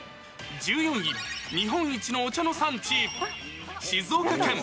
１４位、日本一のお茶の産地、静岡県。